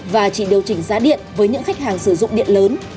và chỉ điều chỉnh giá điện với những khách hàng sử dụng điện lớn